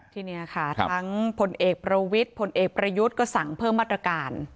ทีนี้ค่ะทั้งผลเอกประวิทย์ผลเอกประยุทธ์ก็สั่งเพิ่มมาตรการ